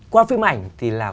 qua phim ảnh thì là